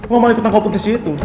lo malah ikutan kompetisi itu